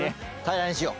平らにしよう。